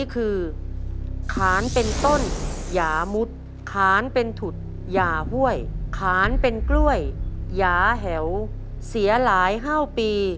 ขึ้นอยู่กับ